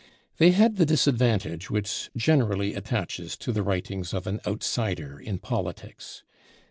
They had the disadvantage which generally attaches to the writings of an outsider in politics.